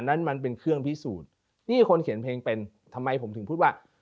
นั้นมันเป็นเครื่องพิสูจน์นี่คนเขียนเพลงเป็นทำไมผมถึงพูดว่า